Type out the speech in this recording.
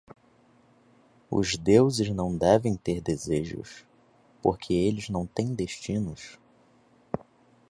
Os deuses não devem ter desejos? porque eles não têm destinos.